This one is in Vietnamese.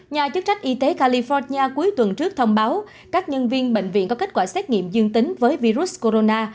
nhà chức trách y tế california cuối tuần trước thông báo các nhân viên bệnh viện có kết quả xét nghiệm dương tính với virus corona